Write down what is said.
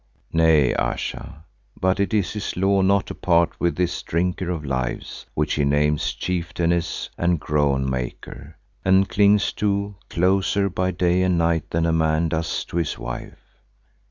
"Nay, Ayesha, but it is his law not to part with this Drinker of Lives, which he names 'Chieftainess and Groan maker,' and clings to closer by day and night than a man does to his wife."